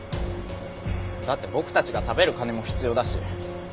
だって僕たちが食べる金も必要だし。